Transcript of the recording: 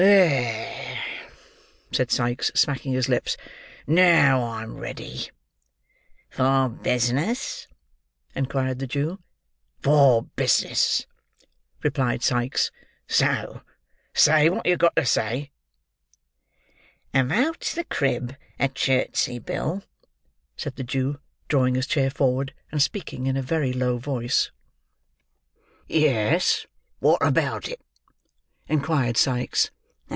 "There," said Sikes, smacking his lips. "Now I'm ready." "For business?" inquired the Jew. "For business," replied Sikes; "so say what you've got to say." "About the crib at Chertsey, Bill?" said the Jew, drawing his chair forward, and speaking in a very low voice. "Yes. Wot about it?" inquired Sikes.